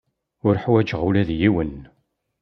Ur ḥwajeɣ ula d yiwen.